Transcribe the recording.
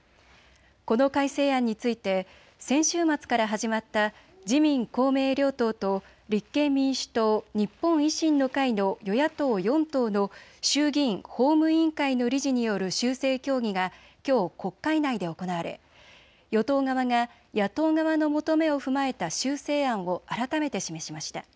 この改正案について先週末から始まった自民公明両党と立憲民主党、日本維新の会の与野党４党の衆議院法務委員会の理事による修正協議がきょう国会内で行われ、与党側が野党側の求めを踏まえた修正案を改めて示しました。